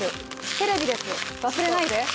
テレビです、忘れないで。